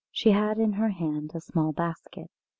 She had in her hand a small basket.